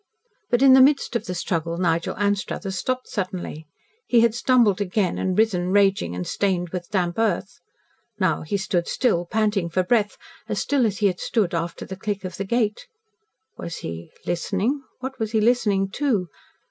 But in the midst of the struggle Nigel Anstruthers stopped suddenly. He had stumbled again, and risen raging and stained with damp earth. Now he stood still, panting for breath as still as he had stood after the click of the gate. Was he listening? What was he listening to?